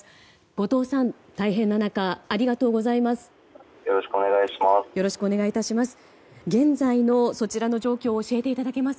後藤さん、大変な中ありがとうございます。